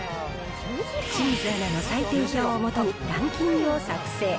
清水アナの採点表を基に、ランキングを作成。